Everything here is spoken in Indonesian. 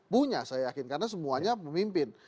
punya saya yakin karena semuanya memimpin